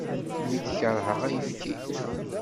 Nekk keṛheɣ ayefki.